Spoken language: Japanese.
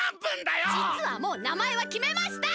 じつはもう名前はきめました！